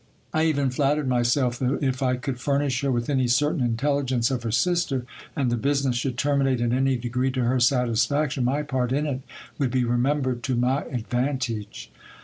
I even flattered myself that if I could furnish her with any certain intelligence of her sister, and the business should terminate in any degree to her satisfaction, my part in it would be remembered to my advantage.